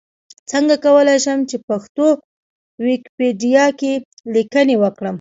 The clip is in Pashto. څنګه کولی شم چې پښتو ويکيپېډيا کې ليکنې وکړم؟